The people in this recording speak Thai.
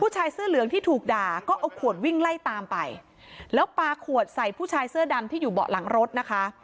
ชายเสื้อเหลืองที่ถูกด่าก็เอาขวดวิ่งไล่ตามไปแล้วปลาขวดใส่ผู้ชายเสื้อดำที่อยู่เบาะหลังรถนะคะ